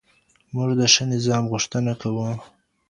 موږ د ښه نظام غوښتنه کوو.